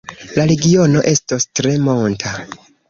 La regiono estas tre monta.